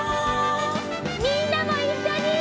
みんなもいっしょに！